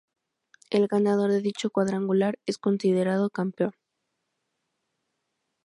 El ganador de dicho cuadrangular es considerado campeón.